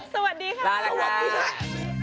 สวัสดีครับลาลาคา